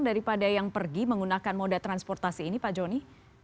daripada yang pergi menggunakan moda transportasi ini pak joni